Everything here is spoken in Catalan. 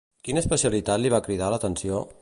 Quina especialitat li va cridar l'atenció?